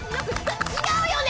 違うよね